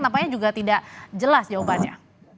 tampaknya juga tidak jelas jawabannya